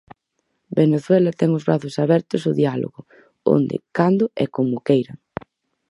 Venezuela ten os brazos abertos ao diálogo, onde, cando e como o queiran.